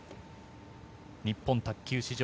日本卓球史上